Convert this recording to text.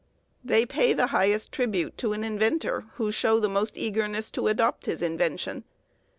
They pay the highest tribute to an inventor who show the most eagerness to adopt his invention.